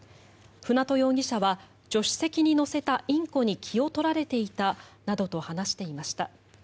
舟渡容疑者は助手席に乗せたインコに気を取られていたなどと話していました。